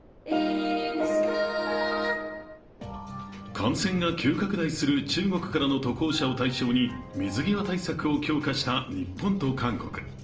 感染が急拡大する中国からの渡航者を対象に水際対策を強化した日本と韓国。